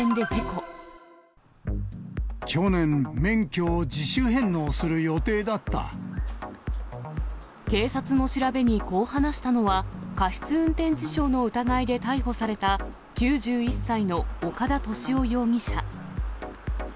去年、警察の調べにこう話したのは、過失運転致傷の疑いで逮捕された、９１歳の岡田俊雄容疑者。